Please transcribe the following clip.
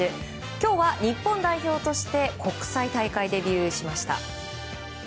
今日は日本代表として国際大会デビューしました。